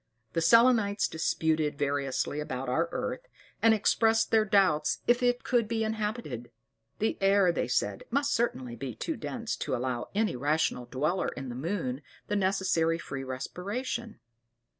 The Selenites* disputed variously about our earth, and expressed their doubts if it could be inhabited: the air, they said, must certainly be too dense to allow any rational dweller in the moon the necessary free respiration.